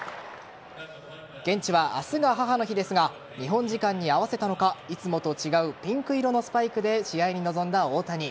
現地は、明日が母の日ですが日本時間に合わせたのかいつもと違うピンク色のスパイクで試合に臨んだ大谷。